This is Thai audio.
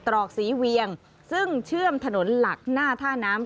ตรอกศรีเวียงซึ่งเชื่อมถนนหลักหน้าท่าน้ำ